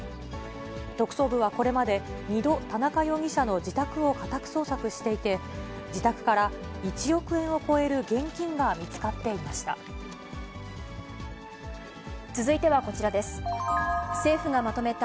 特捜部はこれまで２度、田中容疑者の自宅を家宅捜索していて、自宅から１億円を超える現金が見つかっていました。